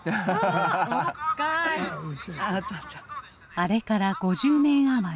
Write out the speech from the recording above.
あれから５０年余り。